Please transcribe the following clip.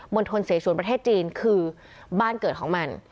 มนตรษย์เสชวนประเทศจีนคือบ้านเกิดของมัน